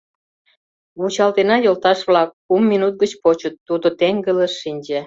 — Вучалтена, йолташ-влак, кум минут гыч почыт, — тудо теҥгылыш шинче.